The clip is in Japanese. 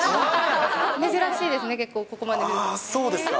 珍しいですね、結構、ここまそうですか。